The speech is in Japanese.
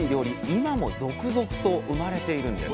今も続々と生まれているんです。